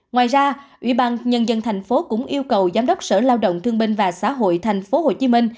ngoài ra ubnd tp hcm cũng yêu cầu giám đốc sở lao động thương binh và xã hội tp hcm